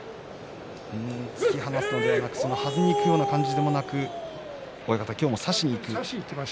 突き放すのではなくはずにいくような感じでもなく親方、今日も差しにいく。